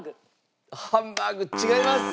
ハンバーグ違います。